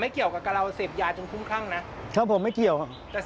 ครับผมไม่เกี่ยว